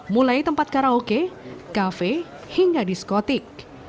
mulai tempat karaoke kafe hingga diskotik